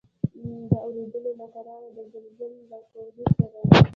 د اورېدلو له قراره د زمزم له کوهي سره.